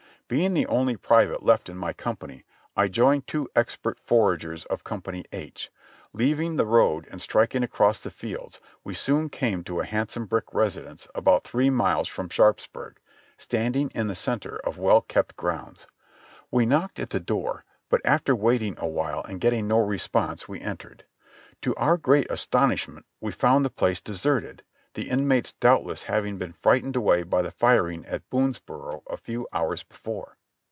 Being the only private left in my company, I joined two expert for agers of Company H ; leaving the road and striking across the fields we soon came to a handsome brick residence about three miles from Sharpsburg, standing in the center of well kept grounds ; we knocked at the door, but after waiting a while and getting no response we entered ; to our great astonishment we found the place deserted, the inmates doubtless having been frightened away by the firing at Boonsboro a few hours before.